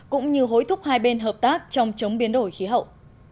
cũng như hối thúc hai bên hợp tác trong chống biến đổi khí hậu